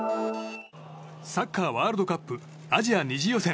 サッカーワールドカップアジア２次予選